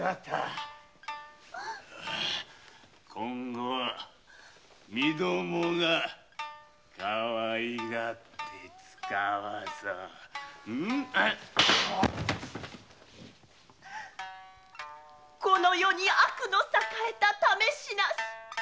「今度は身共がかわいがってつかわそう」「この世に悪の栄えたためしなし」